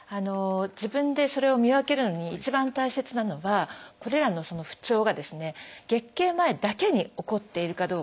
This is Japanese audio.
自分でそれを見分けるのに一番大切なのはこれらの不調が月経前だけに起こっているかどうか。